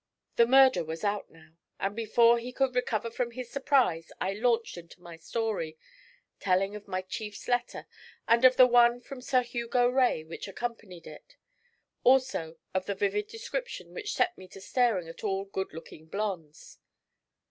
"' The murder was out now, and before he could recover from his surprise I launched into my story, telling of my chief's letter, and of the one from Sir Hugo Rae which accompanied it, also of the vivid description which set me to staring at all good looking blonds.